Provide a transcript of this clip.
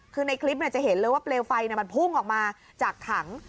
คือในคลิปจะเห็นเลยว่าเปลวไฟมันพุ่งออกมาจากถัง